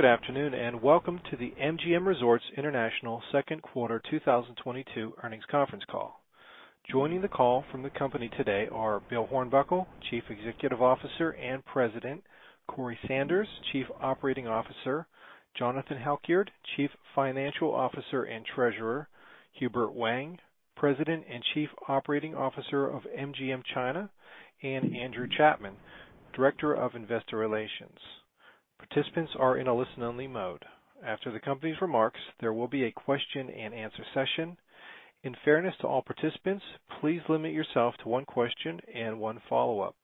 Good afternoon, and welcome to the MGM Resorts International second quarter 2022 earnings conference call. Joining the call from the company today are Bill Hornbuckle, Chief Executive Officer and President, Corey Sanders, Chief Operating Officer, Jonathan Halkyard, Chief Financial Officer and Treasurer, Hubert Wang, President and Chief Operating Officer of MGM China, and Andrew Chapman, Director of Investor Relations. Participants are in a listen-only mode. After the company's remarks, there will be a question-and-answer session. In fairness to all participants, please limit yourself to one question and one follow-up.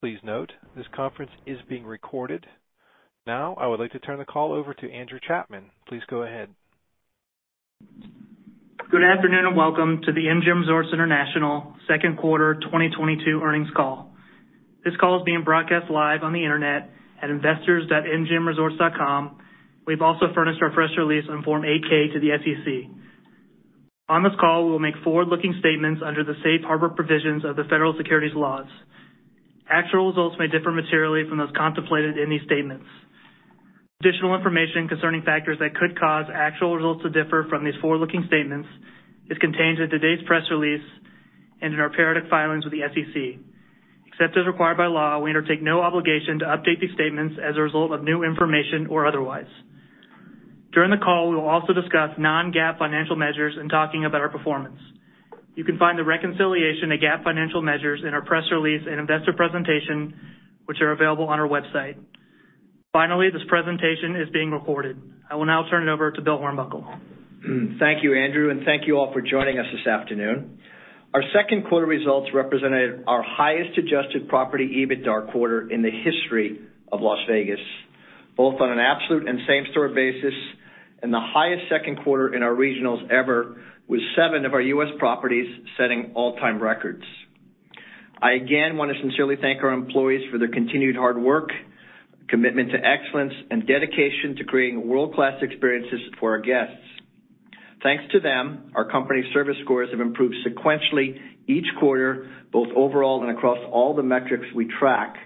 Please note, this conference is being recorded. Now I would like to turn the call over to Andrew Chapman. Please go ahead. Good afternoon, and welcome to the MGM Resorts International second quarter 2022 earnings call. This call is being broadcast live on the Internet at investors.mgmresorts.com. We've also furnished our press release on Form 8-K to the SEC. On this call, we will make forward-looking statements under the safe harbor provisions of the federal securities laws. Actual results may differ materially from those contemplated in these statements. Additional information concerning factors that could cause actual results to differ from these forward-looking statements is contained in today's press release and in our periodic filings with the SEC. Except as required by law, we undertake no obligation to update these statements as a result of new information or otherwise. During the call, we will also discuss non-GAAP financial measures in talking about our performance. You can find the reconciliation to GAAP financial measures in our press release and investor presentation, which are available on our website. Finally, this presentation is being recorded. I will now turn it over to Bill Hornbuckle. Thank you, Andrew, and thank you all for joining us this afternoon. Our second quarter results represented our highest adjusted property EBITDAR quarter in the history of Las Vegas, both on an absolute and same-store basis, and the highest second quarter in our regionals ever, with seven of our U.S. properties setting all-time records. I again want to sincerely thank our employees for their continued hard work, commitment to excellence, and dedication to creating world-class experiences for our guests. Thanks to them, our company service scores have improved sequentially each quarter, both overall and across all the metrics we track.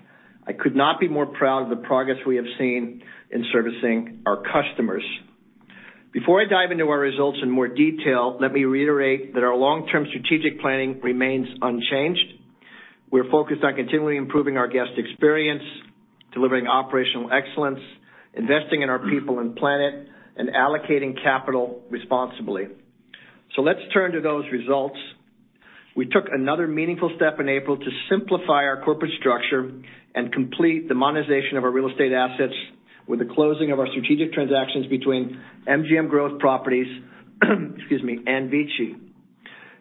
I could not be more proud of the progress we have seen in servicing our customers. Before I dive into our results in more detail, let me reiterate that our long-term strategic planning remains unchanged. We're focused on continually improving our guest experience, delivering operational excellence, investing in our people and planet, and allocating capital responsibly. Let's turn to those results. We took another meaningful step in April to simplify our corporate structure and complete the monetization of our real estate assets with the closing of our strategic transactions between MGM Growth Properties excuse me, and VICI.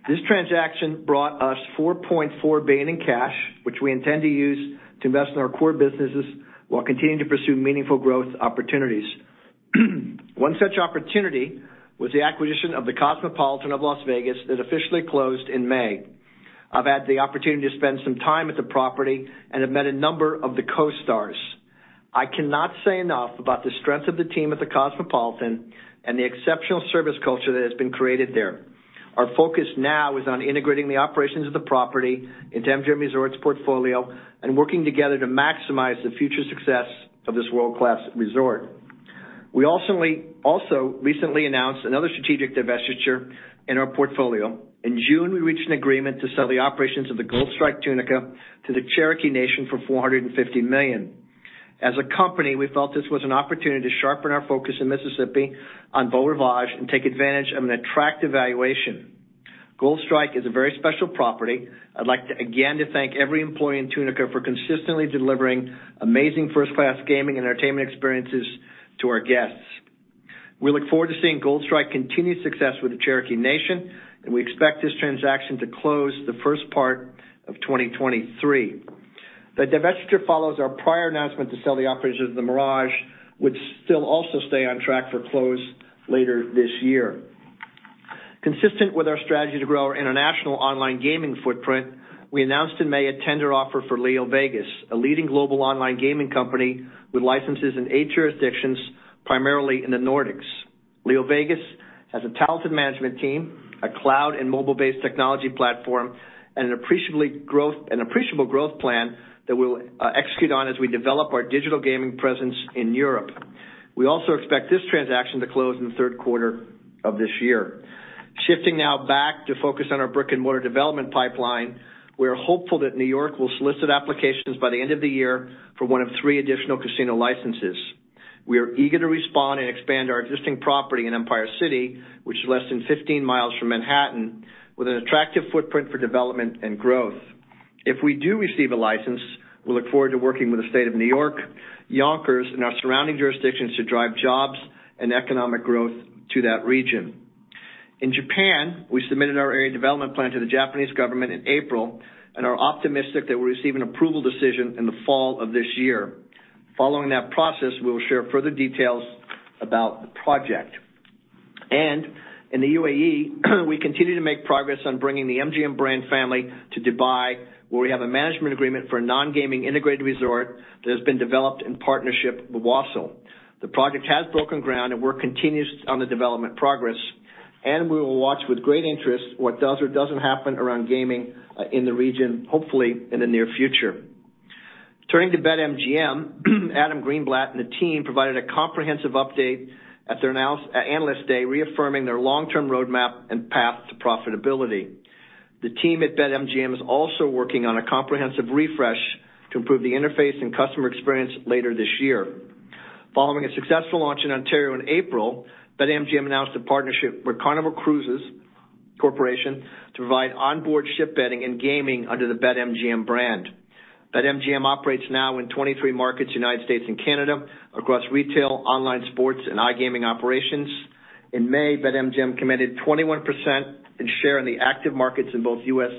This transaction brought us $4.4 billion in cash, which we intend to use to invest in our core businesses while continuing to pursue meaningful growth opportunities. One such opportunity was the acquisition of The Cosmopolitan of Las Vegas that officially closed in May. I've had the opportunity to spend some time at the property and have met a number of the Co-Stars. I cannot say enough about the strength of the team at The Cosmopolitan and the exceptional service culture that has been created there. Our focus now is on integrating the operations of the property into MGM Resorts' portfolio and working together to maximize the future success of this world-class resort. We also recently announced another strategic divestiture in our portfolio. In June, we reached an agreement to sell the operations of the Gold Strike Tunica to the Cherokee Nation for $450 million. As a company, we felt this was an opportunity to sharpen our focus in Mississippi on Beau Rivage and take advantage of an attractive valuation. Gold Strike is a very special property. I'd like to again thank every employee in Tunica for consistently delivering amazing first-class gaming entertainment experiences to our guests. We look forward to seeing Gold Strike continued success with the Cherokee Nation, and we expect this transaction to close in the first part of 2023. The divestiture follows our prior announcement to sell the operations of The Mirage, which still also stay on track to close later this year. Consistent with our strategy to grow our international online gaming footprint, we announced in May a tender offer for LeoVegas, a leading global online gaming company with licenses in eight jurisdictions, primarily in the Nordics. LeoVegas has a talented management team, a cloud and mobile-based technology platform, and an appreciable growth plan that we'll execute on as we develop our digital gaming presence in Europe. We also expect this transaction to close in the third quarter of this year. Shifting now back to focus on our brick-and-mortar development pipeline, we are hopeful that New York will solicit applications by the end of the year for one of three additional casino licenses. We are eager to respond and expand our existing property in Empire City, which is less than 15 miles from Manhattan, with an attractive footprint for development and growth. If we do receive a license, we look forward to working with the state of New York, Yonkers, and our surrounding jurisdictions to drive jobs and economic growth to that region. In Japan, we submitted our area development plan to the Japanese government in April and are optimistic that we'll receive an approval decision in the fall of this year. Following that process, we will share further details about the project. In the UAE, we continue to make progress on bringing the MGM brand family to Dubai, where we have a management agreement for a non-gaming integrated resort that has been developed in partnership with Wasl. The project has broken ground, and work continues on the development progress. We will watch with great interest what does or doesn't happen around gaming, in the region, hopefully in the near future. Turning to BetMGM, Adam Greenblatt and the team provided a comprehensive update at their Analyst Day, reaffirming their long-term roadmap and path to profitability. The team at BetMGM is also working on a comprehensive refresh to improve the interface and customer experience later this year. Following a successful launch in Ontario in April, BetMGM announced a partnership with Carnival Corporation to provide onboard ship betting and gaming under the BetMGM brand. BetMGM operates now in 23 markets, United States and Canada, across retail, online sports, and iGaming operations. In May, BetMGM commanded 21% in share in the active markets in both U.S.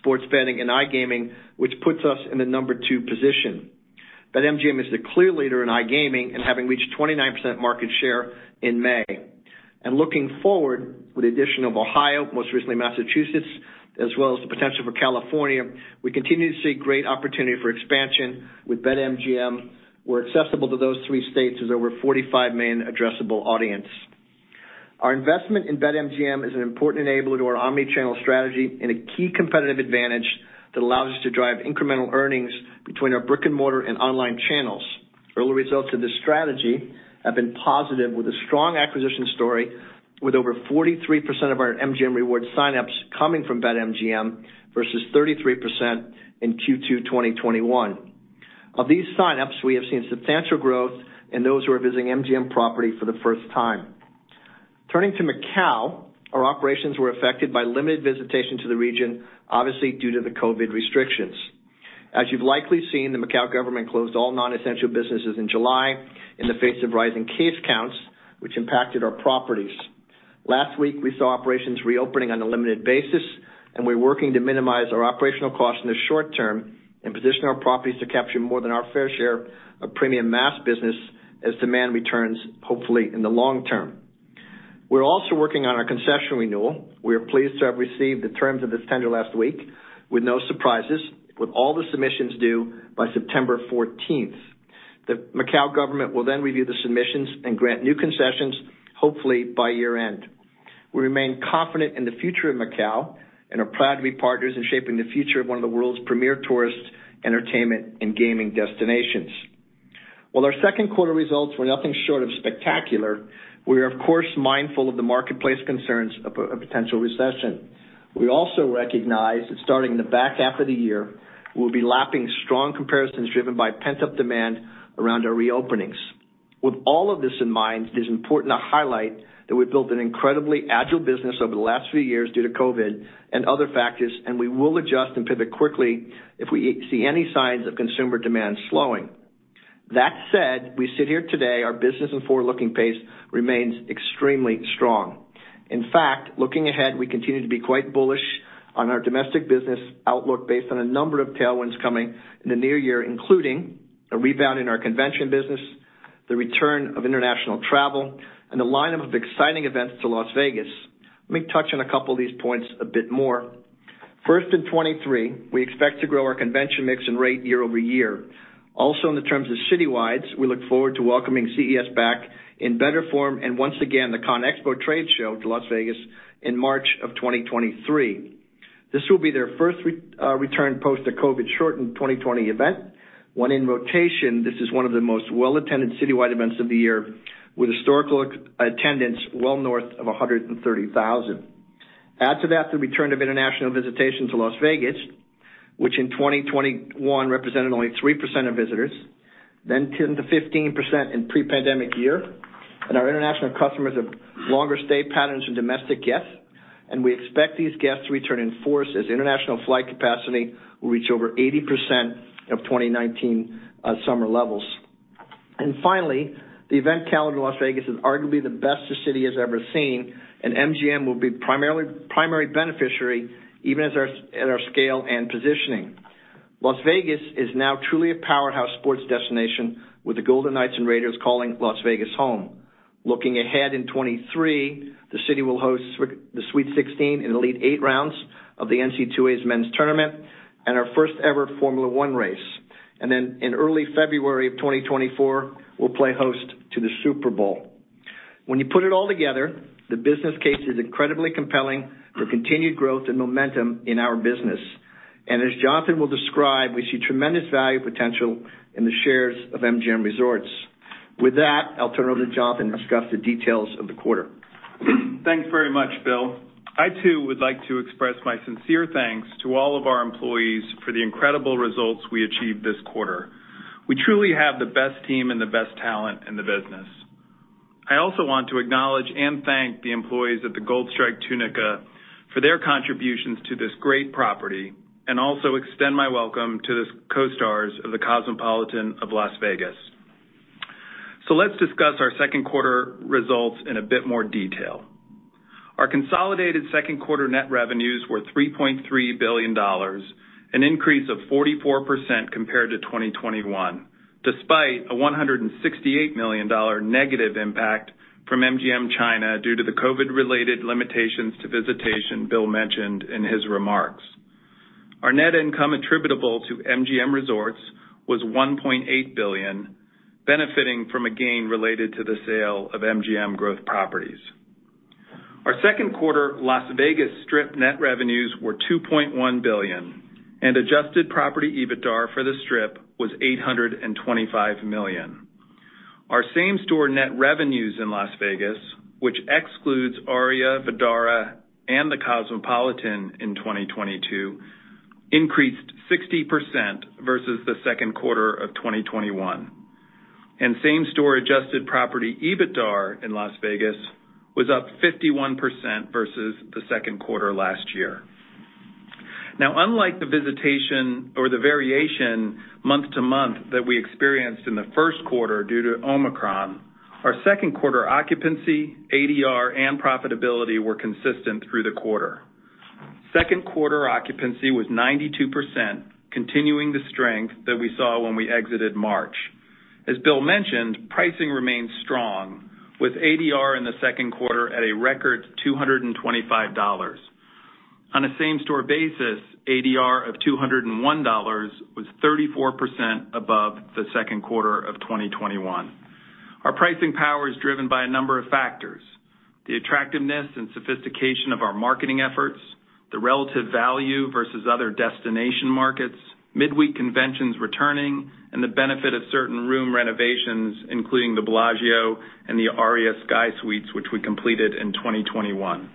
sports betting and iGaming, which puts us in the number two position. BetMGM is the clear leader in iGaming and having reached 29% market share in May. Looking forward, with the addition of Ohio, most recently Massachusetts, as well as the potential for California, we continue to see great opportunity for expansion with BetMGM, who are accessible to those three states as over 45 million addressable audience. Our investment in BetMGM is an important enabler to our omni-channel strategy and a key competitive advantage that allows us to drive incremental earnings between our brick-and-mortar and online channels. Early results of this strategy have been positive with a strong acquisition story with over 43% of our MGM Rewards sign-ups coming from BetMGM versus 33% in Q2 2021. Of these sign-ups, we have seen substantial growth in those who are visiting MGM property for the first time. Turning to Macau, our operations were affected by limited visitation to the region, obviously due to the COVID restrictions. As you've likely seen, the Macau government closed all non-essential businesses in July in the face of rising case counts, which impacted our properties. Last week, we saw operations reopening on a limited basis, and we're working to minimize our operational costs in the short term and position our properties to capture more than our fair share of premium mass business as demand returns, hopefully in the long term. We're also working on our concession renewal. We are pleased to have received the terms of this tender last week with no surprises, with all the submissions due by September 14th. The Macau government will then review the submissions and grant new concessions, hopefully by year-end. We remain confident in the future of Macau and are proud to be partners in shaping the future of one of the world's premier tourist entertainment and gaming destinations. While our second quarter results were nothing short of spectacular, we are of course mindful of the marketplace concerns of a potential recession. We also recognize that starting in the back half of the year, we'll be lapping strong comparisons driven by pent-up demand around our reopenings. With all of this in mind, it is important to highlight that we've built an incredibly agile business over the last few years due to COVID and other factors, and we will adjust and pivot quickly if we see any signs of consumer demand slowing. That said, we sit here today, our business and forward-looking pace remains extremely strong. In fact, looking ahead, we continue to be quite bullish on our domestic business outlook based on a number of tailwinds coming in the new year, including a rebound in our convention business, the return of international travel, and a lineup of exciting events to Las Vegas. Let me touch on a couple of these points a bit more. First, in 2023, we expect to grow our convention mix and rate year-over-year. Also, in the terms of citywides, we look forward to welcoming CES back in better form and once again, the CONEXPO trade show to Las Vegas in March of 2023. This will be their first return post the COVID shortened 2020 event. When in rotation, this is one of the most well-attended citywide events of the year with historical attendance well north of 130,000. Add to that the return of international visitation to Las Vegas, which in 2021 represented only 3% of visitors, then 10%-15% in pre-pandemic year. Our international customers have longer stay patterns than domestic guests, and we expect these guests to return in force as international flight capacity will reach over 80% of 2019 summer levels. Finally, the event calendar in Las Vegas is arguably the best the city has ever seen, and MGM will be primary beneficiary, even at our scale and positioning. Las Vegas is now truly a powerhouse sports destination with the Golden Knights and Raiders calling Las Vegas home. Looking ahead in 2023, the city will host the Sweet 16 and Elite Eight rounds of the NCAA's men's tournament and our first-ever Formula 1 race. Then in early February of 2024, we'll play host to the Super Bowl. When you put it all together, the business case is incredibly compelling for continued growth and momentum in our business. As Jonathan will describe, we see tremendous value potential in the shares of MGM Resorts. With that, I'll turn it over to Jonathan to discuss the details of the quarter. Thanks very much, Bill. I too would like to express my sincere thanks to all of our employees for the incredible results we achieved this quarter. We truly have the best team and the best talent in the business. I also want to acknowledge and thank the employees at the Gold Strike Tunica for their contributions to this great property, and also extend my welcome to the Co-Stars of The Cosmopolitan of Las Vegas. Let's discuss our second quarter results in a bit more detail. Our consolidated second quarter net revenues were $3.3 billion, an increase of 44% compared to 2021, despite a $168 million negative impact from MGM China due to the COVID-related limitations to visitation Bill mentioned in his remarks. Our net income attributable to MGM Resorts was $1.8 billion, benefiting from a gain related to the sale of MGM Growth Properties. Our second quarter Las Vegas Strip net revenues were $2.1 billion and adjusted property EBITDAR for the Strip was $825 million. Our same-store net revenues in Las Vegas, which excludes ARIA, Vdara, and The Cosmopolitan in 2022, increased 60% versus the second quarter of 2021, and same store adjusted property EBITDAR in Las Vegas was up 51% versus the second quarter last year. Now, unlike the visitation or the variation month-to-month that we experienced in the first quarter due to Omicron, our second quarter occupancy, ADR, and profitability were consistent through the quarter. Second quarter occupancy was 92%, continuing the strength that we saw when we exited March. As Bill mentioned, pricing remains strong with ADR in the second quarter at a record $225. On a same-store basis, ADR of $201 was 34% above the second quarter of 2021. Our pricing power is driven by a number of factors, the attractiveness and sophistication of our marketing efforts, the relative value versus other destination markets, midweek conventions returning, and the benefit of certain room renovations, including the Bellagio and the ARIA Sky Suites, which we completed in 2021.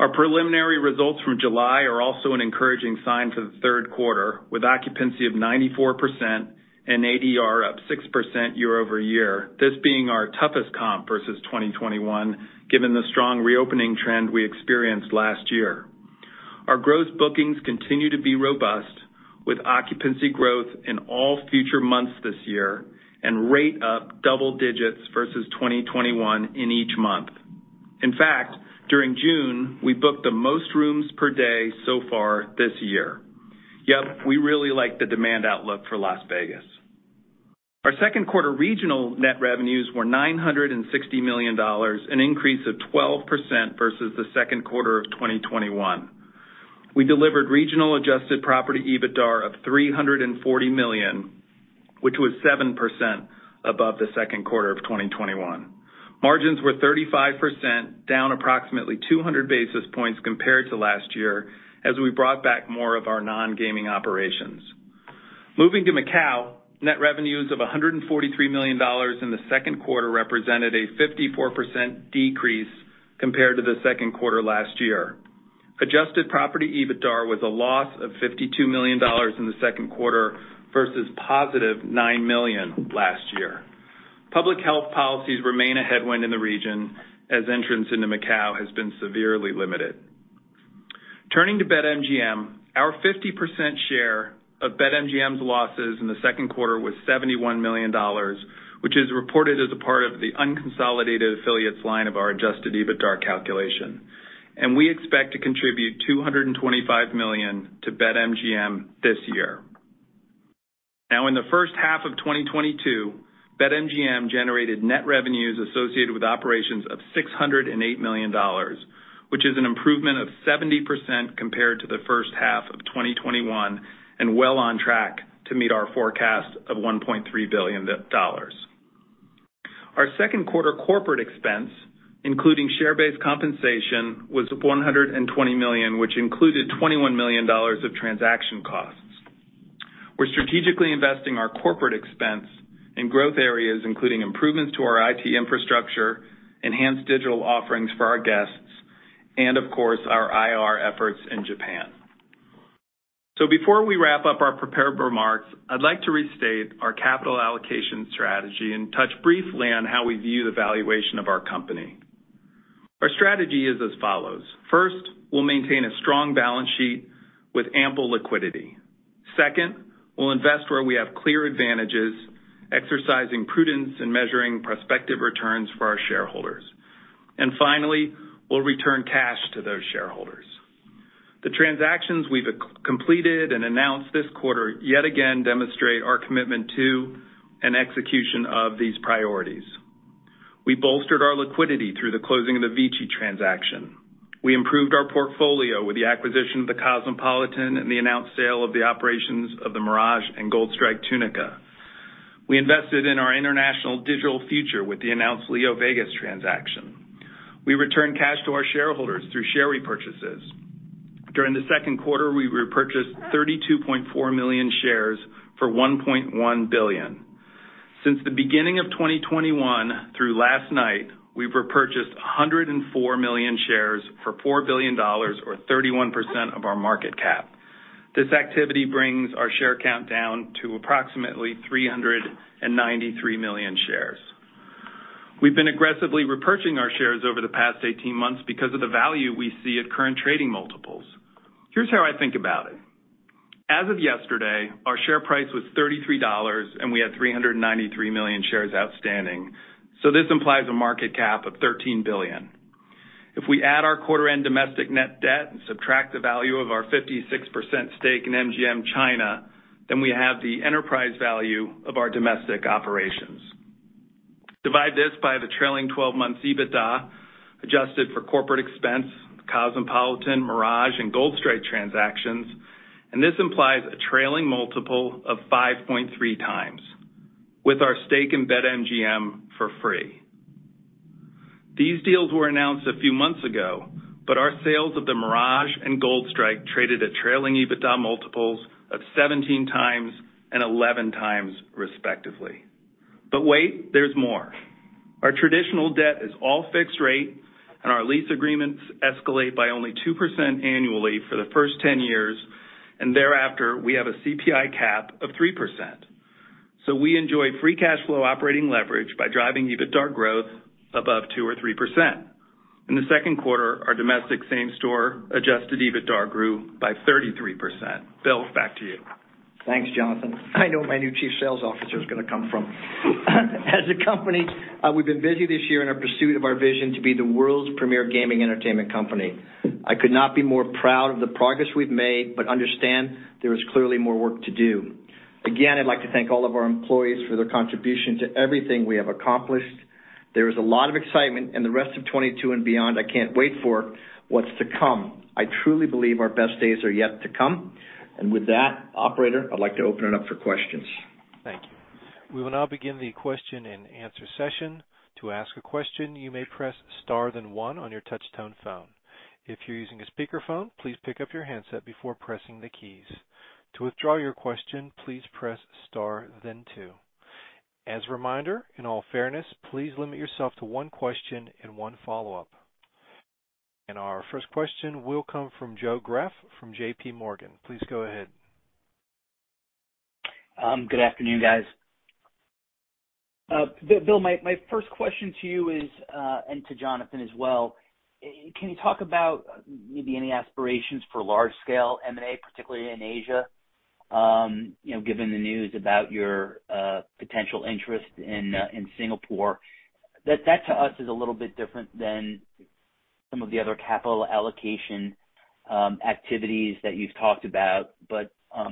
Our preliminary results from July are also an encouraging sign for the third quarter, with occupancy of 94% and ADR up 6% year-over-year, this being our toughest comp versus 2021, given the strong reopening trend we experienced last year. Our gross bookings continue to be robust, with occupancy growth in all future months this year and rate up double digits versus 2021 in each month. In fact, during June, we booked the most rooms per day so far this year. Yep, we really like the demand outlook for Las Vegas. Our second quarter regional net revenues were $960 million, an increase of 12% versus the second quarter of 2021. We delivered regional adjusted property EBITDAR of $340 million, which was 7% above the second quarter of 2021. Margins were 35%, down approximately 200 basis points compared to last year as we brought back more of our nongaming operations. Moving to Macau, net revenues of $143 million in the second quarter represented a 54% decrease compared to the second quarter last year. Adjusted property EBITDAR was a loss of $52 million in the second quarter versus positive $9 million last year. Public health policies remain a headwind in the region as entrance into Macau has been severely limited. Turning to BetMGM, our 50% share of BetMGM's losses in the second quarter was $71 million, which is reported as a part of the unconsolidated affiliates line of our adjusted EBITDAR calculation. We expect to contribute $225 million to BetMGM this year. Now, in the first half of 2022, BetMGM generated net revenues associated with operations of $608 million, which is an improvement of 70% compared to the first half of 2021 and well on track to meet our forecast of $1.3 billion. Our second quarter corporate expense, including share-based compensation, was $120 million, which included $21 million of transaction costs. We're strategically investing our corporate expense in growth areas, including improvements to our IT infrastructure, enhanced digital offerings for our guests, and of course, our IR efforts in Japan. Before we wrap up our prepared remarks, I'd like to restate our capital allocation strategy and touch briefly on how we view the valuation of our company. Our strategy is as follows. First, we'll maintain a strong balance sheet with ample liquidity. Second, we'll invest where we have clear advantages, exercising prudence and measuring prospective returns for our shareholders. Finally, we'll return cash to those shareholders. The transactions we've completed and announced this quarter yet again demonstrate our commitment to and execution of these priorities. We bolstered our liquidity through the closing of the VICI transaction. We improved our portfolio with the acquisition of The Cosmopolitan and the announced sale of the operations of The Mirage and Gold Strike Tunica. We invested in our international digital future with the announced LeoVegas transaction. We returned cash to our shareholders through share repurchases. During the second quarter, we repurchased 32.4 million shares for $1.1 billion. Since the beginning of 2021 through last night, we've repurchased 104 million shares for $4 billion or 31% of our market cap. This activity brings our share count down to approximately 393 million shares. We've been aggressively repurchasing our shares over the past 18 months because of the value we see at current trading multiples. Here's how I think about it. As of yesterday, our share price was $33 and we had 393 million shares outstanding, so this implies a market cap of $13 billion. If we add our quarter-end domestic net debt and subtract the value of our 56% stake in MGM China, then we have the enterprise value of our domestic operations. Divide this by the trailing 12 months EBITDA, adjusted for corporate expense, Cosmopolitan, Mirage, and Gold Strike transactions, and this implies a trailing multiple of 5.3x with our stake in BetMGM for free. These deals were announced a few months ago, but our sales of the Mirage and Gold Strike traded at trailing EBITDA multiples of 17x and 11x respectively. Wait, there's more. Our traditional debt is all fixed rate, and our lease agreements escalate by only 2% annually for the first 10 years. Thereafter, we have a CPI cap of 3%. We enjoy free cash flow operating leverage by driving EBITDA growth above 2% or 3%. In the second quarter, our domestic same-store adjusted EBITDA grew by 33%. Bill, back to you. Thanks, Jonathan. I know where my new Chief Sales Officer is going to come from. As a company, we've been busy this year in our pursuit of our vision to be the world's premier gaming entertainment company. I could not be more proud of the progress we've made, but understand there is clearly more work to do. Again, I'd like to thank all of our employees for their contribution to everything we have accomplished. There is a lot of excitement in the rest of 2022 and beyond. I can't wait for what's to come. I truly believe our best days are yet to come. With that, operator, I'd like to open it up for questions. Thank you. We will now begin the question-and-answer session. To ask a question, you may press star then one on your Touch-Tone phone. If you're using a speakerphone, please pick up your handset before pressing the keys. To withdraw your question, please press star then two. As a reminder, in all fairness, please limit yourself to one question and one follow-up. Our first question will come from Joe Greff from JPMorgan. Please go ahead. Good afternoon, guys. Bill, my first question to you is, and to Jonathan as well, can you talk about maybe any aspirations for large-scale M&A, particularly in Asia, you know, given the news about your potential interest in Singapore? That to us is a little bit different than some of the other capital allocation activities that you've talked about.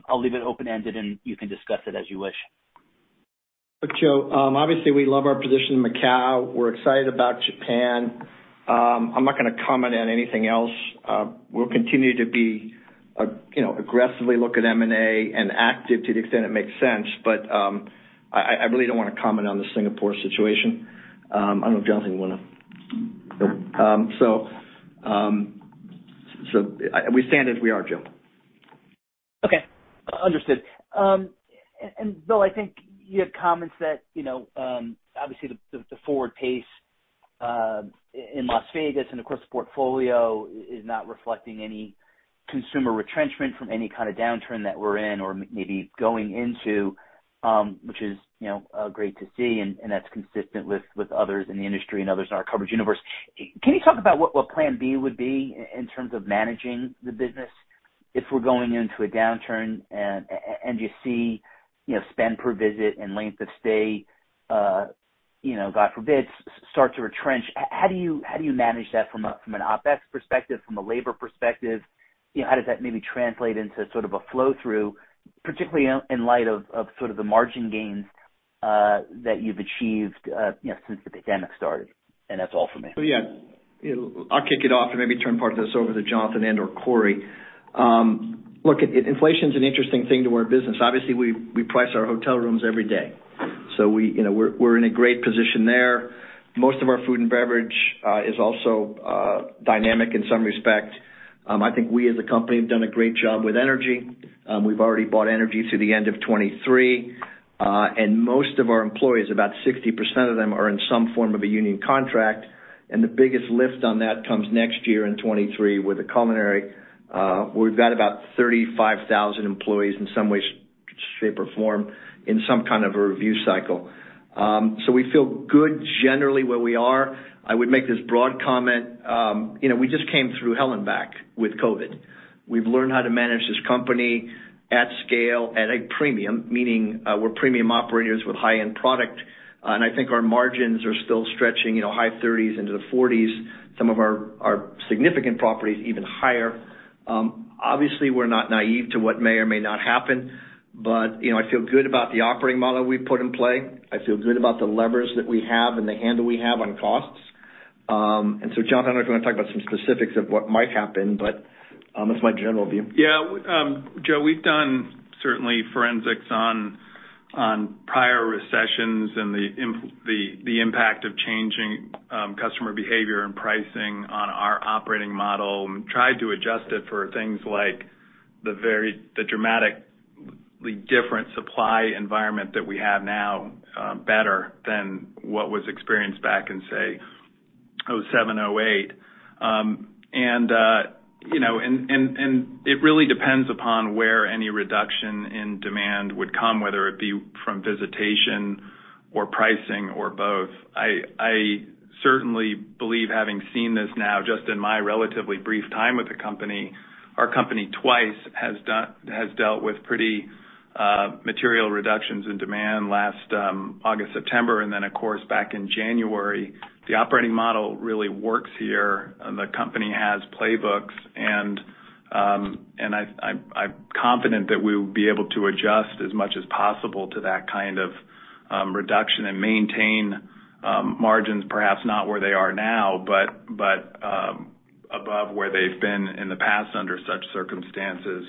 I'll leave it open-ended, and you can discuss it as you wish. Look, Joe, obviously, we love our position in Macau. We're excited about Japan. I'm not going to comment on anything else. We'll continue to be, you know, aggressively look at M&A and active to the extent it makes sense. I really don't want to comment on the Singapore situation. I don't know if Jonathan want to. We stand as we are, Joe. Okay. Understood. Bill, I think you had comments that, you know, obviously the forward pace in Las Vegas and across the portfolio is not reflecting any consumer retrenchment from any kind of downturn that we're in or maybe going into, which is, you know, great to see, and that's consistent with others in the industry and others in our coverage universe. Can you talk about what plan B would be in terms of managing the business if we're going into a downturn and you see, you know, spend per visit and length of stay, you know, God forbid, start to retrench? How do you manage that from an OpEx perspective, from a labor perspective? You know, how does that maybe translate into sort of a flow-through, particularly in light of sort of the margin gains that you've achieved, you know, since the pandemic started? That's all for me. Yeah. You know, I'll kick it off and maybe turn part of this over to Jonathan and/or Corey. Look, inflation's an interesting thing to our business. Obviously, we price our hotel rooms every day. So we, you know, we're in a great position there. Most of our food and beverage is also dynamic in some respect. I think we as a company have done a great job with energy. We've already bought energy through the end of 2023. Most of our employees, about 60% of them, are in some form of a union contract, and the biggest lift on that comes next year in 2023 with the culinary. We've got about 35,000 employees in some way, shape, or form in some kind of a review cycle. So we feel good generally where we are. I would make this broad comment. You know, we just came through hell and back with COVID. We've learned how to manage this company at scale, at a premium, meaning, we're premium operators with high-end product. And I think our margins are still stretching, you know, high 30s% into the 40s%. Some of our significant properties even higher. Obviously, we're not naive to what may or may not happen. You know, I feel good about the operating model we've put in play. I feel good about the levers that we have and the handle we have on costs. And so Jonathan, I don't know if you want to talk about some specifics of what might happen, but that's my general view. Yeah. Joe, we've done certainly forensics on prior recessions and the impact of changing customer behavior and pricing on our operating model and tried to adjust it for things like the dramatically different supply environment that we have now, better than what was experienced back in, say, 2007, 2008. You know, it really depends upon where any reduction in demand would come, whether it be from visitation or pricing or both. I certainly believe, having seen this now just in my relatively brief time with the company, our company twice has dealt with pretty material reductions in demand last August, September, and then, of course, back in January. The operating model really works here. The company has playbooks and I'm confident that we will be able to adjust as much as possible to that kind of reduction and maintain margins, perhaps not where they are now, but above where they've been in the past under such circumstances.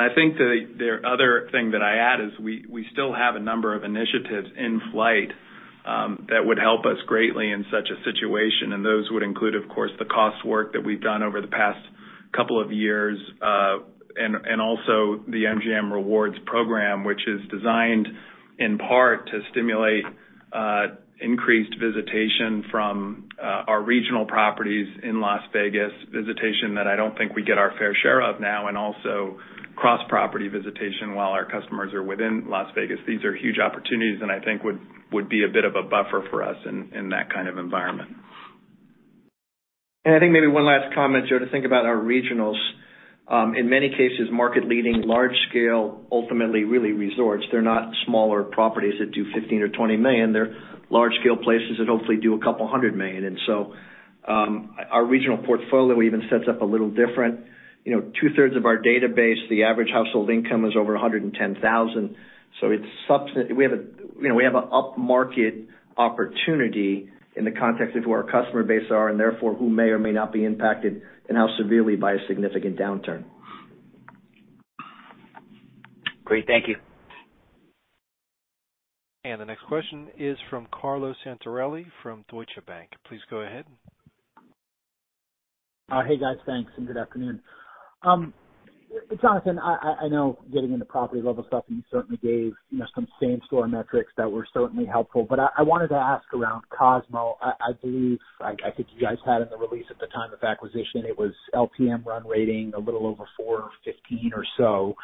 I think the other thing that I add is we still have a number of initiatives in flight that would help us greatly in such a situation. Those would include, of course, the cost work that we've done over the past couple of years, and also the MGM Rewards program, which is designed in part to stimulate increased visitation from our regional properties in Las Vegas. Visitation that I don't think we get our fair share of now, and also cross-property visitation while our customers are within Las Vegas. These are huge opportunities, and I think would be a bit of a buffer for us in that kind of environment. I think maybe one last comment here to think about our regionals. In many cases, market-leading large-scale, ultimately really resorts. They're not smaller properties that do $15 million-$20 million. They're large-scale places that hopefully do a couple hundred million. Our regional portfolio even sets up a little different. You know, 2/3 of our database, the average household income is over $110,000. It's substantial. We have a, you know, upmarket opportunity in the context of who our customer base are and therefore who may or may not be impacted and how severely by a significant downturn. Great. Thank you. The next question is from Carlo Santarelli from Deutsche Bank. Please go ahead. Hey, guys. Thanks, and good afternoon. Jonathan, I know getting into property level stuff, and you certainly gave, you know, some same store metrics that were certainly helpful. I wanted to ask around Cosmo. I believe I think you guys had in the release at the time of acquisition, it was LTM run-rate a little over $415 or so.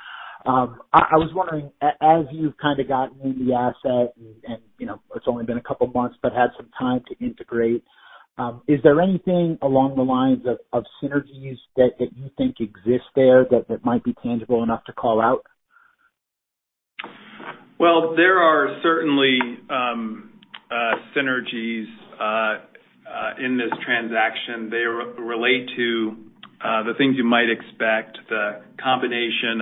I was wondering, as you've kind of gotten in the asset and, you know, it's only been a couple months, but had some time to integrate, is there anything along the lines of synergies that you think exist there that might be tangible enough to call out? Well, there are certainly synergies in this transaction. They relate to the things you might expect, the combination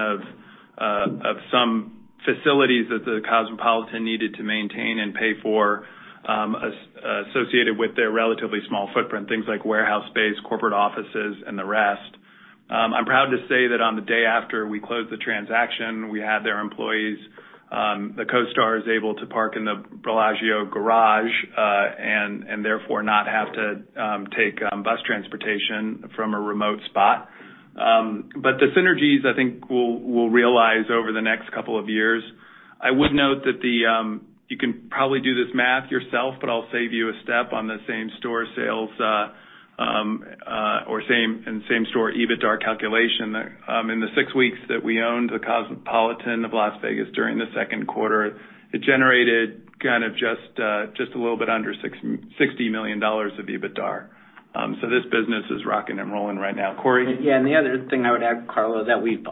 of some facilities that the Cosmopolitan needed to maintain and pay for, associated with their relatively small footprint, things like warehouse space, corporate offices, and the rest. I'm proud to say that on the day after we closed the transaction, we had their employees, the Co-Stars, able to park in the Bellagio garage and therefore not have to take bus transportation from a remote spot. The synergies I think we'll realize over the next couple of years. I would note that you can probably do this math yourself, but I'll save you a step on the same store sales or same store EBITDAR calculation. In the six weeks that we owned The Cosmopolitan of Las Vegas during the second quarter, it generated kind of just a little bit under $660 million of EBITDAR. This business is rocking and rolling right now. Corey? Yeah, the other thing I would add, Carlo, that we've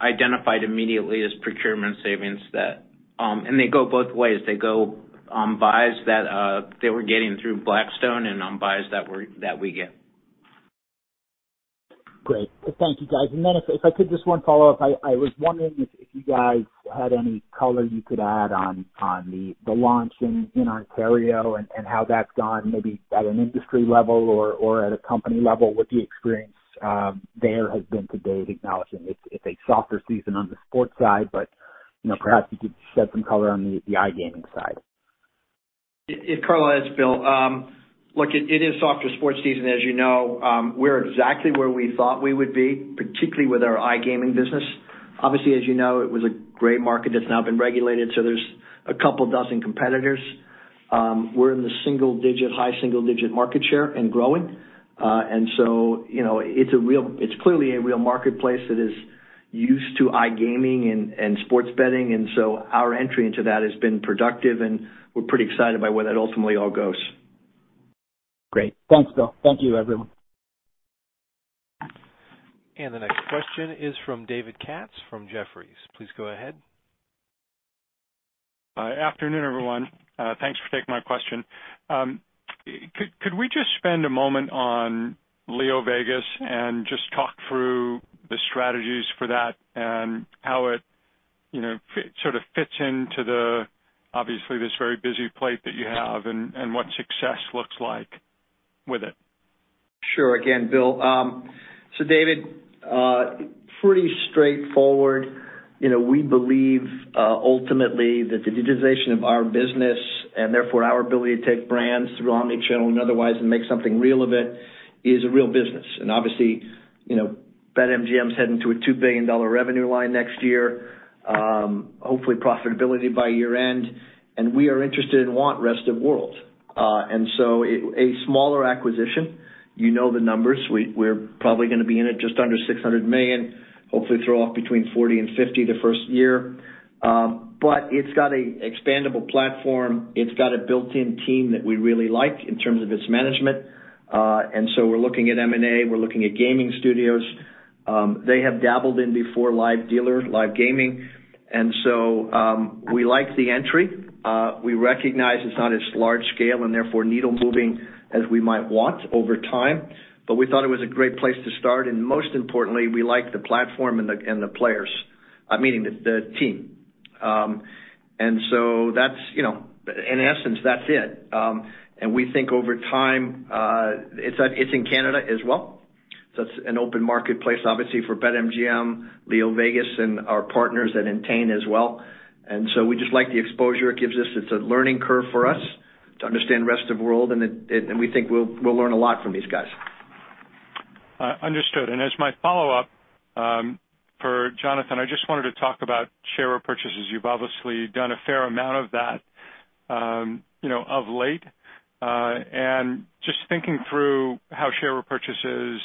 identified immediately is procurement savings that and they go both ways. They go on buys that they were getting through Blackstone and on buys that we get. Great. Thank you, guys. If I could just one follow-up. I was wondering if you guys had any color you could add on the launch in Ontario and how that's gone, maybe at an industry level or at a company level, what the experience there has been to date, acknowledging it's a softer season on the sports side, but you know, perhaps you could shed some color on the iGaming side. Yeah. Carlos, it's Bill. Look, it is softer sports season, as you know. We're exactly where we thought we would be, particularly with our iGaming business. Obviously, as you know, it was a great market that's now been regulated, so there's a couple dozen competitors. We're in the single digit, high single digit market share and growing. You know, it's clearly a real marketplace that is used to iGaming and sports betting, so our entry into that has been productive, and we're pretty excited by where that ultimately all goes. Great. Thanks, Bill. Thank you, everyone. The next question is from David Katz from Jefferies. Please go ahead. Afternoon, everyone. Thanks for taking my question. Could we just spend a moment on LeoVegas and just talk through the strategies for that and how it, you know, sort of fits into the, obviously this very busy plate that you have and what success looks like with it? Sure. Again, Bill. David, pretty straightforward. You know, we believe ultimately that the digitization of our business and therefore our ability to take brands through omnichannel and otherwise and make something real of it is a real business. Obviously, you know, BetMGM's heading to a $2 billion revenue line next year. Hopefully profitability by year-end. We are interested and want rest of world. A smaller acquisition. You know the numbers. We're probably gonna be in it just under $600 million. Hopefully throw off between $40 and $50 the first year. It's got a expandable platform. It's got a built-in team that we really like in terms of its management. We're looking at M&A, we're looking at gaming studios. They have dabbled in before live dealer, live gaming. We like the entry. We recognize it's not as large scale and therefore needle moving as we might want over time. We thought it was a great place to start, and most importantly, we like the platform and the players, meaning the team. That's, you know, in essence, that's it. We think over time, it's in Canada as well. It's an open marketplace, obviously for BetMGM, LeoVegas and our partners at Entain as well. We just like the exposure it gives us. It's a learning curve for us to understand rest of world, and we think we'll learn a lot from these guys. Understood. As my follow-up, for Jonathan, I just wanted to talk about share repurchases. You've obviously done a fair amount of that, you know, of late. Just thinking through how share repurchases,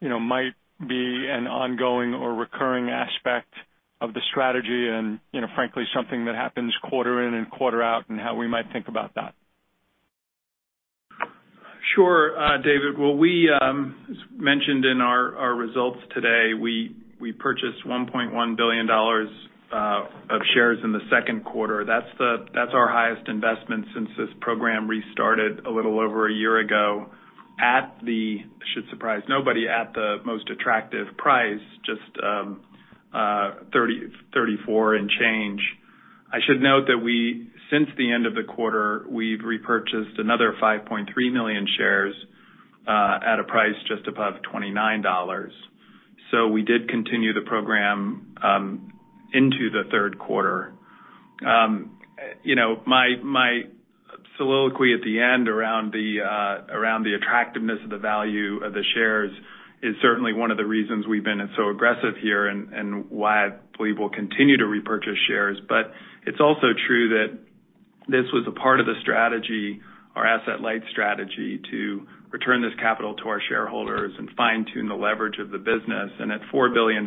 you know, might be an ongoing or recurring aspect of the strategy and, you know, frankly, something that happens quarter in and quarter out, and how we might think about that. Sure, David. Well, as mentioned in our results today, we purchased $1.1 billion of shares in the second quarter. That's our highest investment since this program restarted a little over a year ago at the should surprise nobody at the most attractive price, just $34 and change. I should note that since the end of the quarter, we've repurchased another 5.3 million shares at a price just above $29. We did continue the program into the third quarter. You know, my soliloquy at the end around the attractiveness of the value of the shares is certainly one of the reasons we've been so aggressive here and why I believe we'll continue to repurchase shares. It's also true that this was a part of the strategy, our asset light strategy, to return this capital to our shareholders and fine-tune the leverage of the business. At $4 billion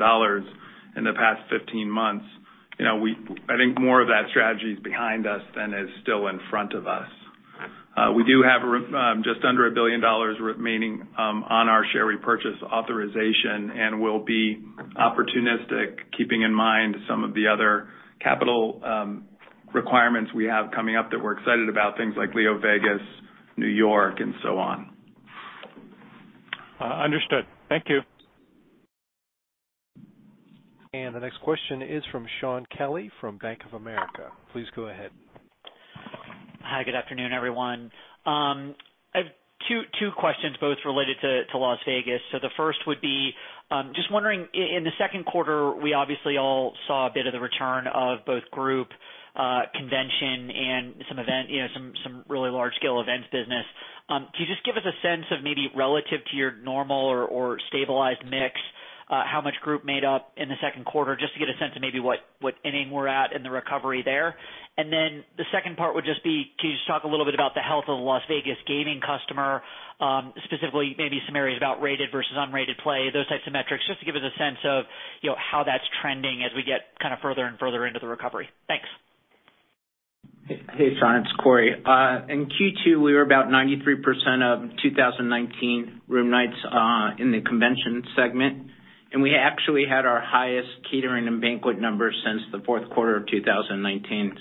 in the past 15 months, you know, I think more of that strategy is behind us than is still in front of us. We do have just under $1 billion remaining on our share repurchase authorization, and we'll be opportunistic, keeping in mind some of the other capital requirements we have coming up that we're excited about, things like LeoVegas, New York, and so on. Understood. Thank you. The next question is from Shaun Kelley from Bank of America. Please go ahead. Hi, good afternoon, everyone. I've two questions, both related to Las Vegas. The first would be just wondering in the second quarter, we obviously all saw a bit of the return of both group convention and some event, you know, some really large-scale events business. Can you just give us a sense of maybe relative to your normal or stabilized mix, how much group made up in the second quarter, just to get a sense of maybe what inning we're at in the recovery there. The second part would just be, can you just talk a little bit about the health of the Las Vegas gaming customer, specifically maybe some areas about rated versus unrated play, those types of metrics, just to give us a sense of, you know, how that's trending as we get kinda further and further into the recovery? Thanks. Hey, Shaun, it's Corey. In Q2, we were about 93% of 2019 room nights in the convention segment, and we actually had our highest catering and banquet numbers since the fourth quarter of 2019.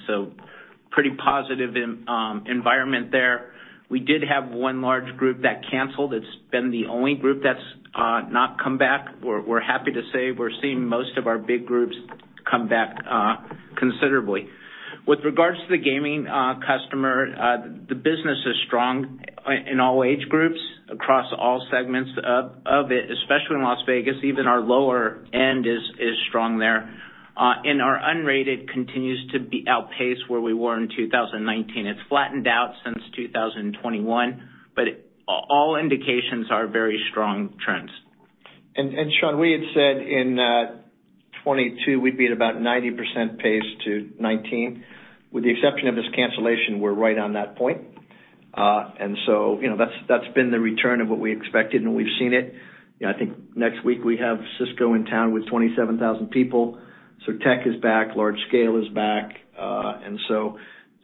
Pretty positive environment there. We did have one large group that canceled. It's been the only group that's not come back. We're happy to say we're seeing most of our big groups come back considerably. With regards to the gaming customer, the business is strong in all age groups across all segments of it, especially in Las Vegas, even our lower end is strong there. Our unrated continues to be outpaced where we were in 2019. It's flattened out since 2021, but all indications are very strong trends. Shaun, we had said in 2022, we'd be at about 90% pace to 2019. With the exception of this cancellation, we're right on that point. You know, that's been the return of what we expected, and we've seen it. You know, I think next week we have Cisco in town with 27,000 people. So tech is back, large scale is back.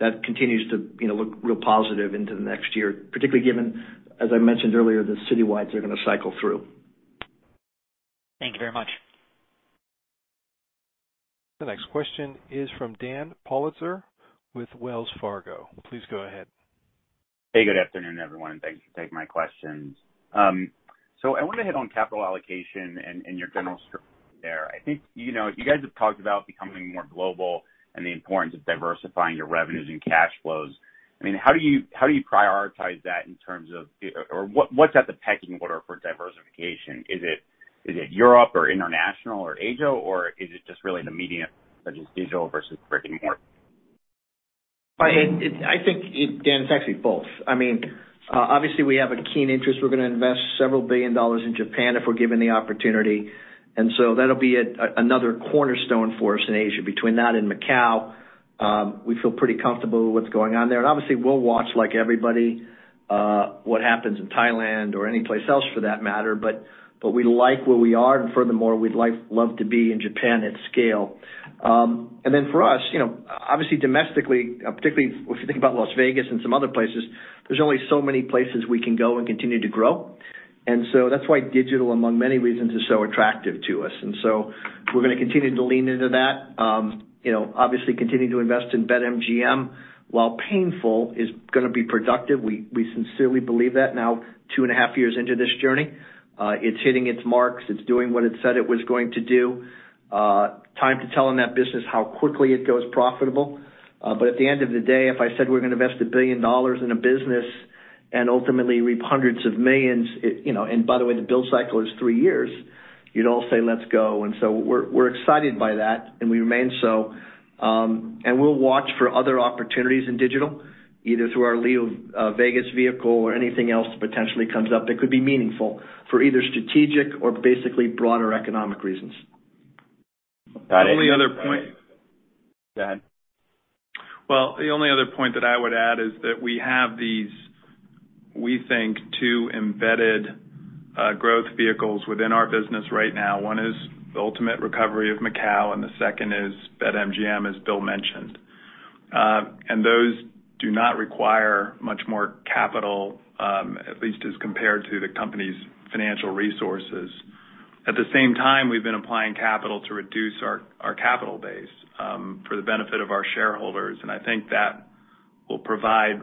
That continues to, you know, look real positive into the next year, particularly given, as I mentioned earlier, the citywides are gonna cycle through. Thank you very much. The next question is from Dan Politzer with Wells Fargo. Please go ahead. Hey, good afternoon, everyone, and thanks for taking my questions. I wanted to hit on capital allocation and your general script there. I think, you know, you guys have talked about becoming more global and the importance of diversifying your revenues and cash flows. I mean, how do you prioritize that in terms of? Or what's at the pecking order for diversification? Is it Europe or international or Asia, or is it just really the medium such as digital versus brick-and-mortar? Dan, it's actually both. I mean, obviously, we have a keen interest. We're gonna invest $several billion in Japan if we're given the opportunity. That'll be another cornerstone for us in Asia. Between that and Macau, we feel pretty comfortable with what's going on there. Obviously, we'll watch, like everybody, what happens in Thailand or anyplace else for that matter. But we like where we are and furthermore, we'd love to be in Japan at scale. For us, you know, obviously domestically, particularly if you think about Las Vegas and some other places, there's only so many places we can go and continue to grow. That's why digital, among many reasons, is so attractive to us. We're gonna continue to lean into that. You know, obviously continue to invest in BetMGM, while painful, is gonna be productive. We sincerely believe that now 2.5 years into this journey. It's hitting its marks, it's doing what it said it was going to do. Time to tell in that business how quickly it goes profitable. At the end of the day, if I said we're gonna invest $1 billion in a business and ultimately reap hundreds of millions, it, you know, and by the way, the build cycle is three years, you'd all say, let's go. We're excited by that, and we remain so. We'll watch for other opportunities in digital, either through our LeoVegas vehicle or anything else that potentially comes up that could be meaningful for either strategic or basically broader economic reasons. Got it. The only other point. Go ahead. Well, the only other point that I would add is that we have these, we think, two embedded growth vehicles within our business right now. One is the ultimate recovery of Macau, and the second is BetMGM, as Bill mentioned. Those do not require much more capital, at least as compared to the company's financial resources. At the same time, we've been applying capital to reduce our capital base for the benefit of our shareholders, and I think that will provide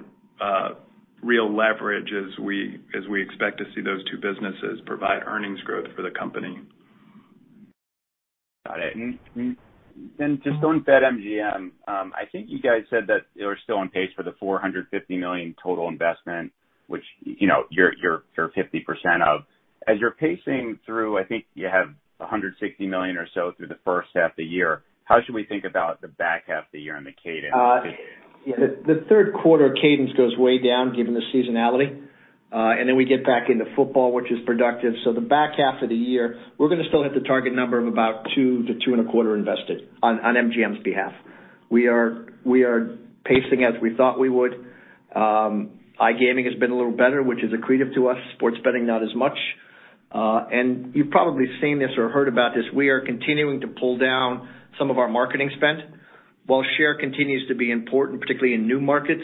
real leverage as we expect to see those two businesses provide earnings growth for the company. Got it. Just on BetMGM, I think you guys said that you were still on pace for the $450 million total investment, which, you know, you're 50% of. As you're pacing through, I think you have a $160 million or so through the first half of the year. How should we think about the back half of the year on the cadence? Yeah. The third quarter cadence goes way down given the seasonality. We get back into football, which is productive. The back half of the year, we're gonna still hit the target number of about $2-$2.25 invested on MGM's behalf. We are pacing as we thought we would. iGaming has been a little better, which is accretive to us. Sports betting not as much. You've probably seen this or heard about this. We are continuing to pull down some of our marketing spend. While share continues to be important, particularly in new markets,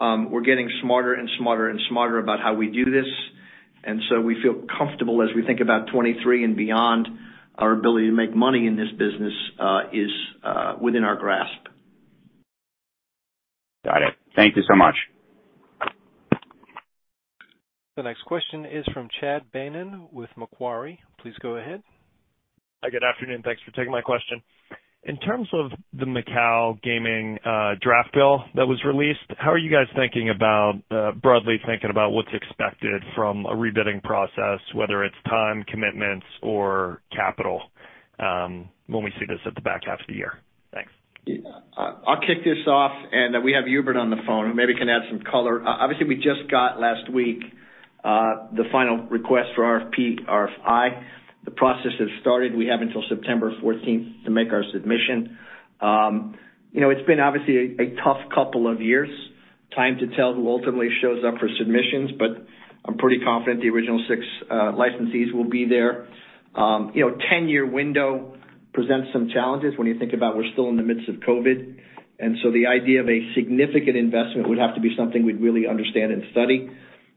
we're getting smarter and smarter and smarter about how we do this. We feel comfortable as we think about 2023 and beyond, our ability to make money in this business is within our grasp. Got it. Thank you so much. The next question is from Chad Beynon with Macquarie. Please go ahead. Hi, good afternoon. Thanks for taking my question. In terms of the Macau gaming, draft bill that was released, how are you guys thinking about, broadly thinking about what's expected from a rebidding process, whether it's time, commitments, or capital, when we see this at the back half of the year? Thanks. I'll kick this off, and then we have Hubert on the phone, who maybe can add some color. Obviously, we just got last week the final request for RFP, RFI. The process has started. We have until September 14th to make our submission. You know, it's been obviously a tough couple of years. Time will tell who ultimately shows up for submissions, but I'm pretty confident the original six licensees will be there. You know, 10-year window presents some challenges when you think about we're still in the midst of COVID. The idea of a significant investment would have to be something we'd really understand and study.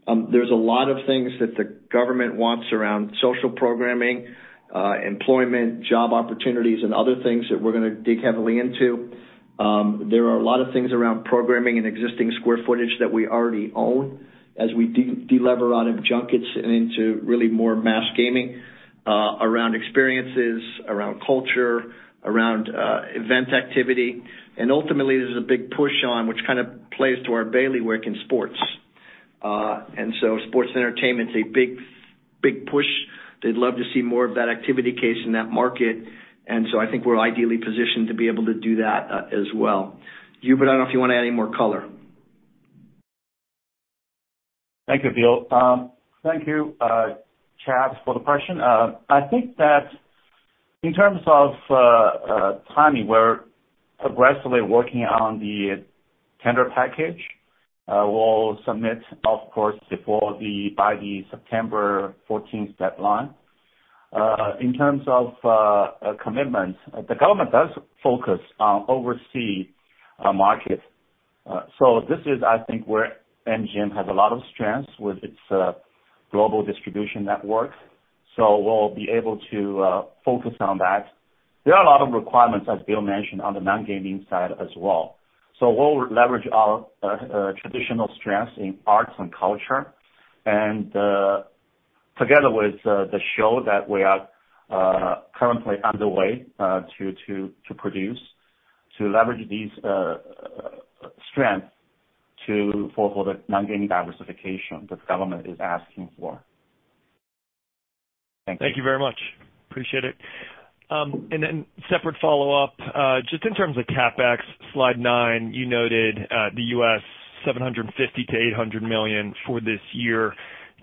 There's a lot of things that the government wants around social programming, employment, job opportunities, and other things that we're gonna dig heavily into. There are a lot of things around programming and existing square footage that we already own as we delever out of junkets and into really more mass gaming, around experiences, around culture, around event activity. Ultimately, there's a big push on which kind of plays to our daily work in sports. Sports entertainment's a big, big push. They'd love to see more of that activity as in that market. I think we're ideally positioned to be able to do that, as well. Hubert, I don't know if you wanna add any more color. Thank you, Bill. Thank you, Chad, for the question. I think that in terms of timing, we're aggressively working on the tender package. We'll submit, of course, by the September 14th deadline. In terms of commitment, the government does focus on overseas market. This is, I think, where MGM has a lot of strengths with its global distribution network. We'll be able to focus on that. There are a lot of requirements, as Bill mentioned, on the non-gaming side as well. We'll leverage our traditional strengths in arts and culture, and together with the show that we are currently underway to produce, to leverage these strength to fulfill the non-gaming diversification that government is asking for. Thank you. Thank you very much. Appreciate it. Separate follow-up. Just in terms of CapEx, slide nine, you noted the U.S. $750 million-$800 million for this year.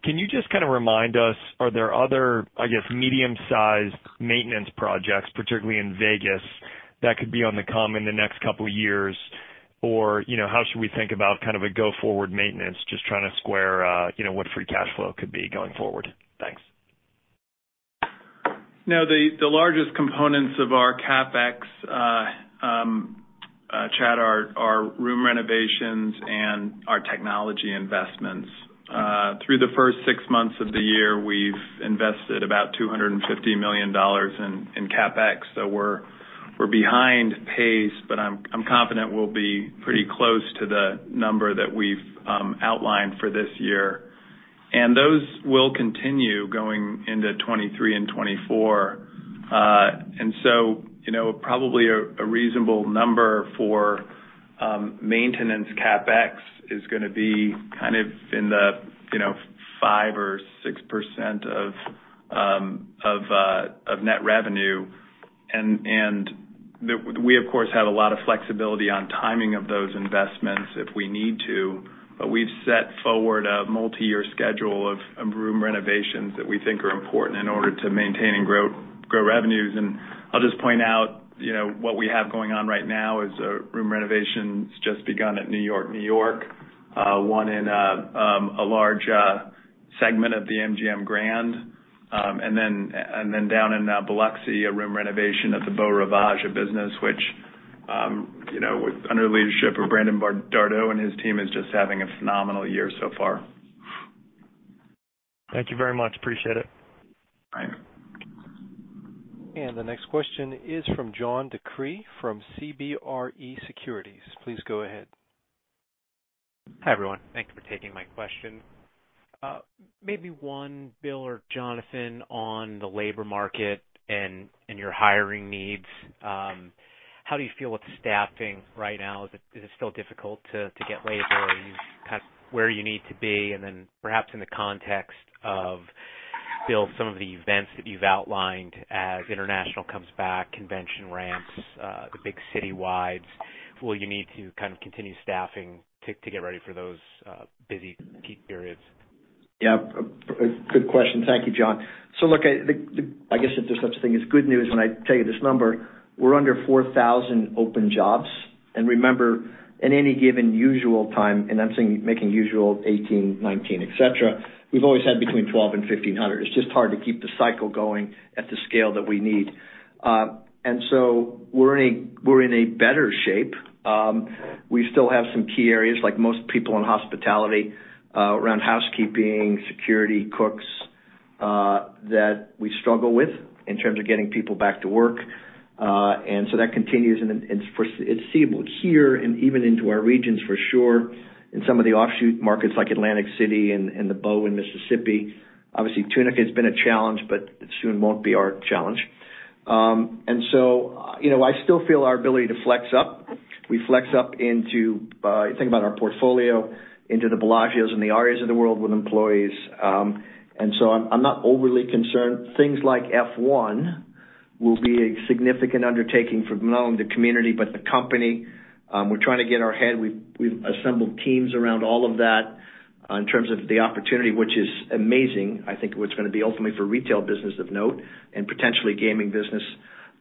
Can you just kinda remind us, are there other, I guess, medium-sized maintenance projects, particularly in Vegas, that could be coming in the next couple of years? Or, you know, how should we think about kind of a go-forward maintenance, just trying to square, you know, what free cash flow could be going forward? Thanks. No, the largest components of our CapEx, Chad, are our room renovations and our technology investments. Through the first six months of the year, we've invested about $250 million in CapEx. We're behind pace, but I'm confident we'll be pretty close to the number that we've outlined for this year. Those will continue going into 2023 and 2024. You know, probably a reasonable number for maintenance CapEx is gonna be kind of in the you know, 5% or 6% of net revenue. We of course have a lot of flexibility on timing of those investments if we need to, but we've set forward a multiyear schedule of room renovations that we think are important in order to maintain and grow revenues. I'll just point out, you know, what we have going on right now is a room renovation's just begun at New York-New York, one in a large segment of the MGM Grand. Down in Biloxi, a room renovation at the Beau Rivage, a business which, you know, under the leadership of Brandon Dardeau and his team, is just having a phenomenal year so far. Thank you very much. Appreciate it. Right. The next question is from John DeCree from CBRE Securities. Please go ahead. Hi, everyone. Thank you for taking my question. Maybe one, Bill or Jonathan, on the labor market and your hiring needs. How do you feel with staffing right now? Is it still difficult to get labor? Are you kind of where you need to be? Then perhaps in the context of, Bill, some of the events that you've outlined as international comes back, convention ramps, the big citywides, will you need to kind of continue staffing to get ready for those busy peak periods? Yeah. A good question. Thank you, John. So look, I guess if there's such a thing as good news when I tell you this number, we're under 4,000 open jobs. Remember, in any given usual time, and I'm making usual 2018, 2019, et cetera, we've always had between 1,200 and 1,500. It's just hard to keep the cycle going at the scale that we need. We're in a better shape. We still have some key areas like most people in hospitality, around housekeeping, security, cooks, that we struggle with in terms of getting people back to work. That continues and it's seasonal here and even into our regions for sure, in some of the offshoot markets like Atlantic City and the Beau in Mississippi. Obviously, Tunica has been a challenge, but it soon won't be our challenge. You know, I still feel our ability to flex up. We flex up into, you think about our portfolio, into the Bellagio and the ARIA of the world with employees. I'm not overly concerned. Things like F1 will be a significant undertaking for not only the community but the company. We're trying to get our head. We've assembled teams around all of that, in terms of the opportunity, which is amazing. I think what it's gonna be ultimately for retail business of note and potentially gaming business.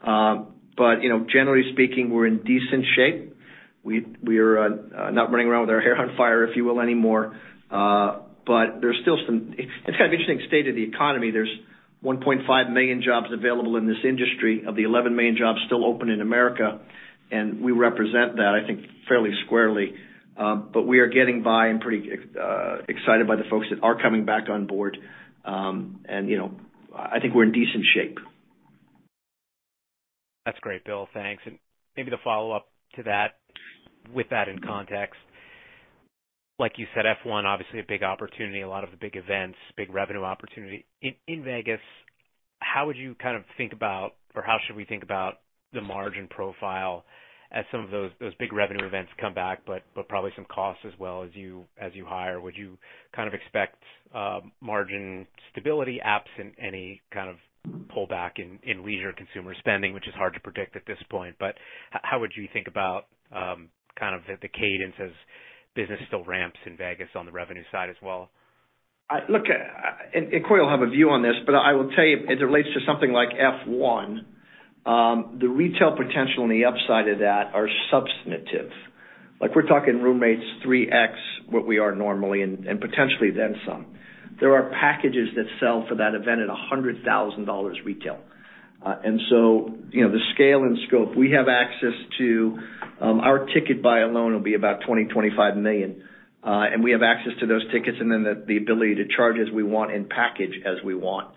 You know, generally speaking, we're in decent shape. We're not running around with our hair on fire, if you will, anymore. It's kind of interesting state of the economy. There's 1.5 million jobs available in this industry of the 11 million jobs still open in America, and we represent that, I think, fairly squarely. We are getting by and pretty excited by the folks that are coming back on board. You know, I think we're in decent shape. That's great, Bill. Thanks. Maybe the follow-up to that, with that in context, like you said, F1 obviously a big opportunity, a lot of the big events, big revenue opportunity. In Vegas, how would you kind of think about or how should we think about the margin profile as some of those big revenue events come back, but probably some costs as well as you hire? Would you kind of expect margin stability absent any kind of pullback in leisure consumer spending, which is hard to predict at this point, but how would you think about kind of the cadence as business still ramps in Vegas on the revenue side as well? Look, Corey will have a view on this, but I will tell you as it relates to something like F1, the retail potential and the upside of that are substantive. Like, we're talking room rates 3x what we are normally and potentially then some. There are packages that sell for that event at $100,000 retail. You know, the scale and scope we have access to. Our ticket buy alone will be about $20 million-$25 million. We have access to those tickets and then the ability to charge as we want and package as we want.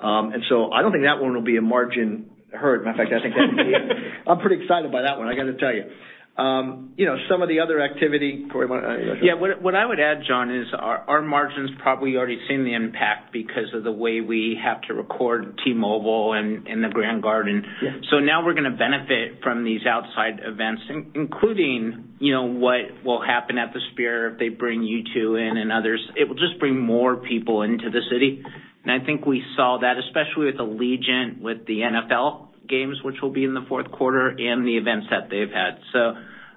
I don't think that one will be a margin hurt. Matter of fact, I think that I'm pretty excited by that one, I gotta tell you. You know, some of the other activity, Corey, why don't you- Yeah. What I would add, John, is our margins probably already seen the impact because of the way we have to record T-Mobile and the Grand Garden. Yeah. Now we're gonna benefit from these outside events, including, you know, what will happen at the Sphere if they bring U2 in and others. It will just bring more people into the city. I think we saw that, especially with Allegiant, with the NFL games, which will be in the fourth quarter, and the events that they've had.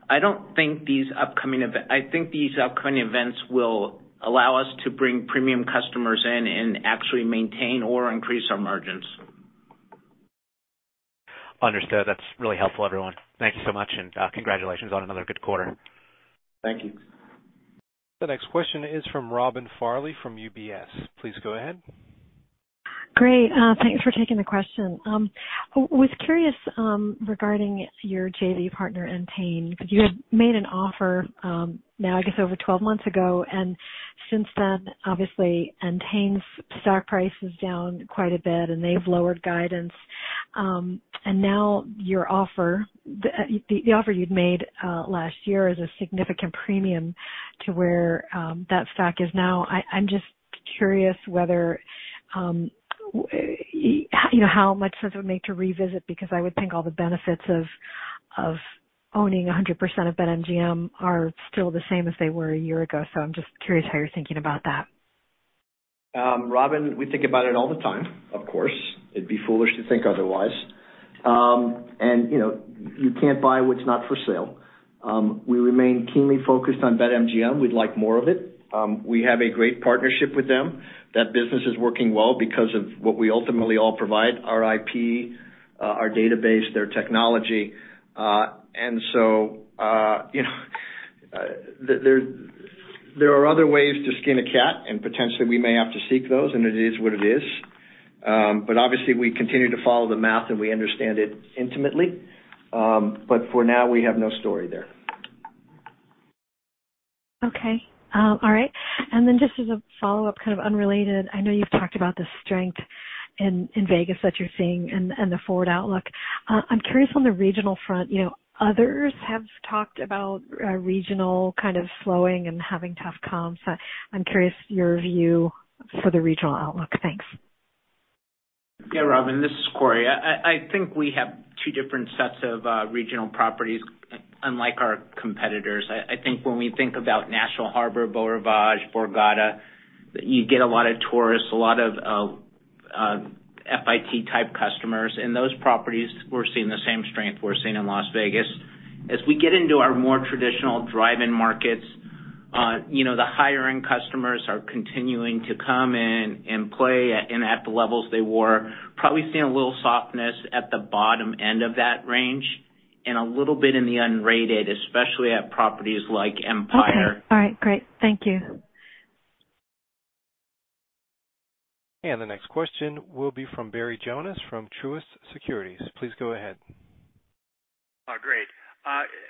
I think these upcoming events will allow us to bring premium customers in and actually maintain or increase our margins. Understood. That's really helpful, everyone. Thank you so much, and congratulations on another good quarter. Thank you. The next question is from Robin Farley from UBS. Please go ahead. Great. Thanks for taking the question. Was curious regarding your JV partner, Entain, because you had made an offer now I guess over 12 months ago. Since then, obviously, Entain's stock price is down quite a bit and they've lowered guidance. Now your offer, the offer you'd made last year is a significant premium to where that stock is now. I'm just curious whether you know how much sense does it make to revisit, because I would think all the benefits of owning 100% of BetMGM are still the same as they were a year ago. I'm just curious how you're thinking about that. Robin, we think about it all the time, of course. It'd be foolish to think otherwise. You know, you can't buy what's not for sale. We remain keenly focused on BetMGM. We'd like more of it. We have a great partnership with them. That business is working well because of what we ultimately all provide, our IP, our database, their technology. You know, there are other ways to skin a cat, and potentially we may have to seek those, and it is what it is. Obviously we continue to follow the math, and we understand it intimately. For now, we have no story there. Okay. All right. Then just as a follow-up, kind of unrelated, I know you've talked about the strength in Vegas that you're seeing and the forward outlook. I'm curious on the regional front, you know, others have talked about regional kind of slowing and having tough comps. I'm curious your view for the regional outlook. Thanks. Yeah, Robin, this is Corey. I think we have two different sets of regional properties unlike our competitors. I think when we think about National Harbor, Beau Rivage, Borgata, you get a lot of tourists, a lot of FIT type customers. In those properties, we're seeing the same strength we're seeing in Las Vegas. As we get into our more traditional drive-in markets, you know, the higher-end customers are continuing to come in and play at the levels they were. Probably seeing a little softness at the bottom end of that range and a little bit in the unrated, especially at properties like Empire. Okay. All right. Great. Thank you. The next question will be from Barry Jonas from Truist Securities. Please go ahead. Oh, great.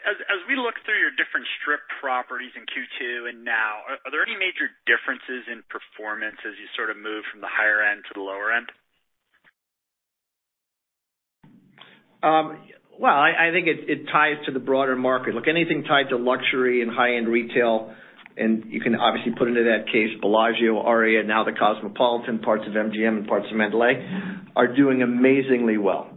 As we look through your different Strip properties in Q2 and now, are there any major differences in performance as you sort of move from the higher end to the lower end? I think it ties to the broader market. Look, anything tied to luxury and high-end retail, and you can obviously put in that category Bellagio, ARIA, now the Cosmopolitan, parts of MGM and parts of Mandalay are doing amazingly well.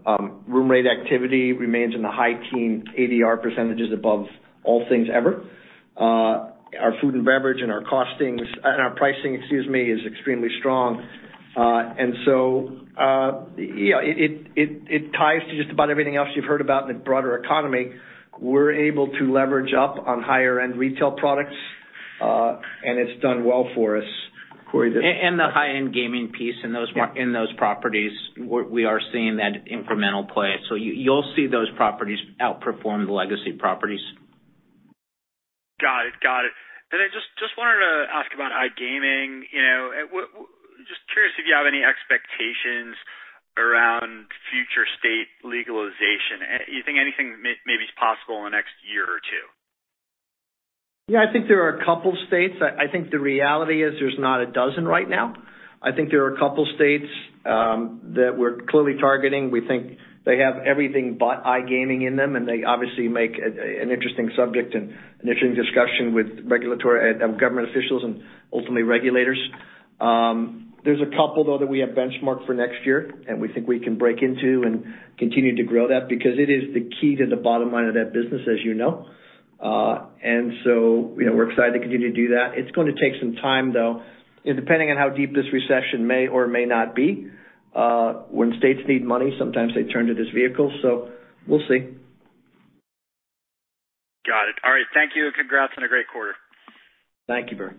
Room rate activity remains in the high-teens ADR percentages above all things ever. Our food and beverage and our casinos and our pricing, excuse me, is extremely strong. It ties to just about everything else you've heard about in the broader economy. We're able to leverage up on higher-end retail products, and it's done well for us. Corey, the- The high-end gaming piece in those properties, we are seeing that incremental play. You'll see those properties outperform the legacy properties. Got it. I just wanted to ask about iGaming. You know, just curious if you have any expectations around future state legalization. You think anything maybe is possible in the next year or two? Yeah, I think there are a couple states. I think the reality is there's not a dozen right now. I think there are a couple states that we're clearly targeting. We think they have everything but iGaming in them, and they obviously make an interesting subject and an interesting discussion with regulatory and government officials and ultimately regulators. There's a couple, though, that we have benchmarked for next year and we think we can break into and continue to grow that because it is the key to the bottom line of that business, as you know. You know, we're excited to continue to do that. It's going to take some time, though. Depending on how deep this recession may or may not be, when states need money, sometimes they turn to this vehicle. We'll see. Got it. All right. Thank you, and congrats on a great quarter. Thank you, Barry.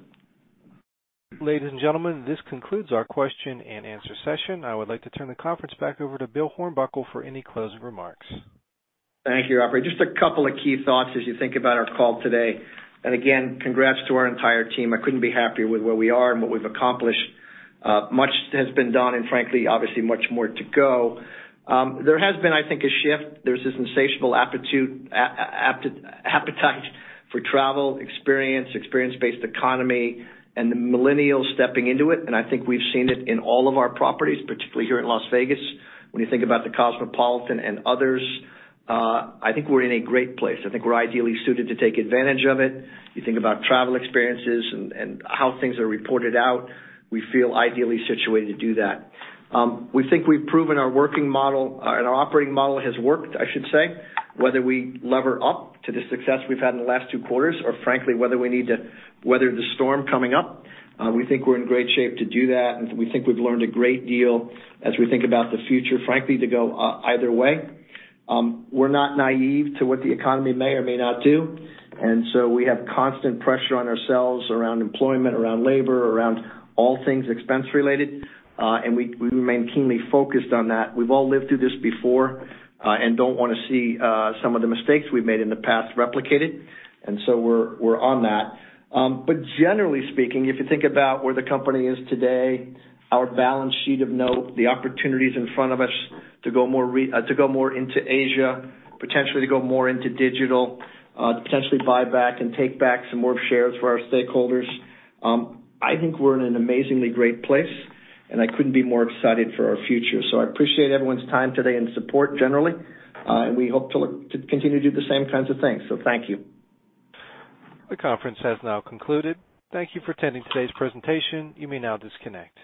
Ladies and gentlemen, this concludes our question-and-answer session. I would like to turn the conference back over to Bill Hornbuckle for any closing remarks. Thank you, operator. Just a couple of key thoughts as you think about our call today. Again, congrats to our entire team. I couldn't be happier with where we are and what we've accomplished. Much has been done and frankly, obviously, much more to go. There has been, I think, a shift. There's this insatiable appetite for travel, experience-based economy and the millennials stepping into it, and I think we've seen it in all of our properties, particularly here in Las Vegas. When you think about the Cosmopolitan and others, I think we're in a great place. I think we're ideally suited to take advantage of it. You think about travel experiences and how things are reported out. We feel ideally situated to do that. We think we've proven our working model and our operating model has worked, I should say. Whether we lever up to the success we've had in the last two quarters or frankly, whether we need to weather the storm coming up, we think we're in great shape to do that, and we think we've learned a great deal as we think about the future, frankly, to go either way. We're not naive to what the economy may or may not do, and so we have constant pressure on ourselves around employment, around labor, around all things expense-related, and we remain keenly focused on that. We've all lived through this before, and don't wanna see some of the mistakes we've made in the past replicated. We're on that. Generally speaking, if you think about where the company is today, our balance sheet of note, the opportunities in front of us to go more into Asia, potentially to go more into digital, to potentially buy back and take back some more shares for our stakeholders, I think we're in an amazingly great place, and I couldn't be more excited for our future. I appreciate everyone's time today and support generally, and we hope to look to continue to do the same kinds of things. Thank you. The conference has now concluded. Thank you for attending today's presentation. You may now disconnect.